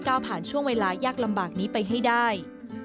ก้าวผ่านช่วงเวลายากลำบากนี้ไปให้ได้